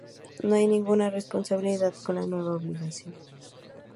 No hay ninguna responsabilidad con la nueva obligación.